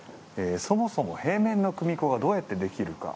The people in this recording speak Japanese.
そもそも、平面の組子がどうやってできるか。